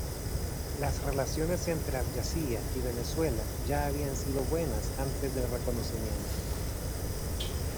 Las relaciones entre Abjasia y Venezuela ya habían sido buenas antes del reconocimiento.